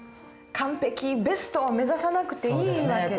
完璧ベストを目指さなくていい訳ですか。